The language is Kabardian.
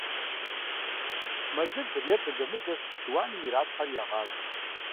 Мэлылыр е былымылыр шыуаным иралъхьэри ягъавэ.